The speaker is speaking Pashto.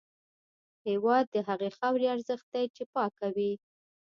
هېواد د هغې خاورې ارزښت دی چې پاکه وي.